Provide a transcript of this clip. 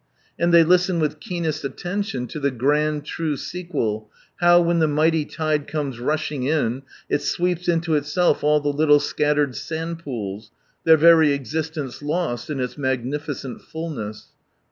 And they listen with keenest attention to the grand, true sequel, how, when the mighty tide conies rushing in, it sweeps into itself all the little scattered sand pools, theic very existence lost in its magnificent fulness.